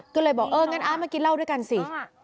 ก็เลยบอกเอองั้นอาร์มากินเหล้าด้วยกันสิ